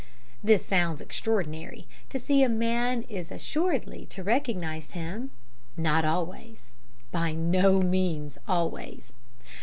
This sounds extraordinary to see a man is assuredly to recognize him! Not always by no means always!